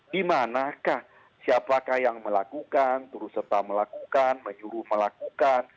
dimanakah siapakah yang melakukan turuserta melakukan menyuruh melakukan